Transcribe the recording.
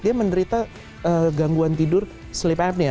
dia menderita gangguan tidur sleep airnya